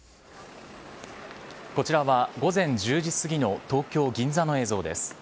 こちらは午前１０時過ぎの東京・銀座の映像です。